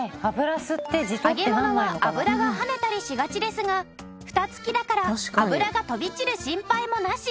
揚げ物は油が跳ねたりしがちですが蓋付きだから油が飛び散る心配もなし！